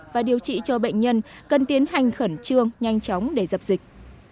các bệnh nhân cần tiến hành khẩn trương nhanh chóng để dập dịch